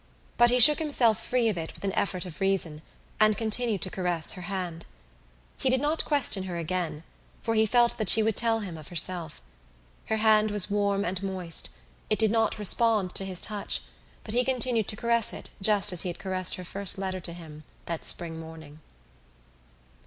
But he shook himself free of it with an effort of reason and continued to caress her hand. He did not question her again for he felt that she would tell him of herself. Her hand was warm and moist: it did not respond to his touch but he continued to caress it just as he had caressed her first letter to him that spring morning.